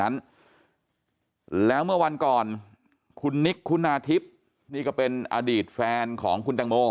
นั้นแล้วเมื่อวันก่อนคุณนิกคุณาทิพย์นี่ก็เป็นอดีตแฟนของคุณตังโม